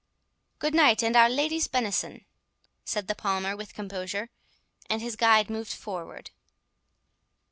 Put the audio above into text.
"Good night, and Our Lady's benison," said the Palmer, with composure; and his guide moved forward.